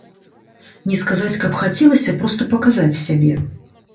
Не сказаць, каб хацелася проста паказаць сябе.